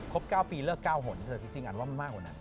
๙ปีเลิก๙หนเถอะจริงอันว่ามันมากกว่านั้น